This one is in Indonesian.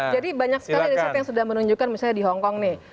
jadi banyak sekali yang sudah menunjukkan misalnya di hongkong nih